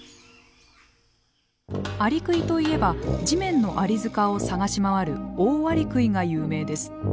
アリクイといえば地面のアリ塚を探し回るオオアリクイが有名です。